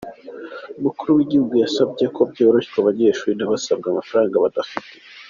Umukuru w’Igihugu yasabye ko byoroshywa abanyeshuri ntibasabwe amafaranga badafite.